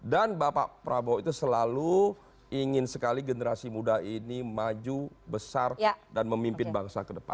dan bapak prabowo itu selalu ingin sekali generasi muda ini maju besar dan memimpin bangsa ke depan